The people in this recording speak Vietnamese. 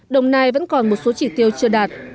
đồng nai vẫn còn một số chỉ tiêu chưa đạt